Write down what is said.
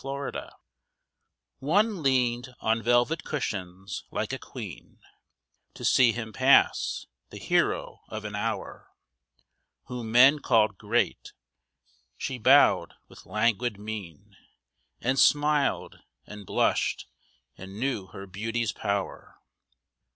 TWO One leaned on velvet cushions like a queen— To see him pass, the hero of an hour, Whom men called great. She bowed with languid mien, And smiled, and blushed, and knew her beauty's power.